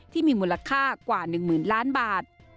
ที่มีมูลค่ากว่า๑๐๐๐ล้านบาท